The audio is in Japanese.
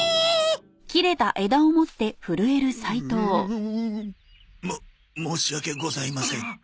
ううおお。も申し訳ございません。